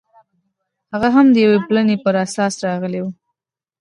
هغه هم د یوې بلنې پر اساس راغلی و